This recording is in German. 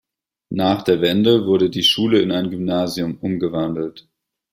Nach der Wende wurde die Schule in ein Gymnasium umgewandelt.